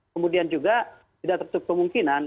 kemudian juga tidak tertutup kemungkinan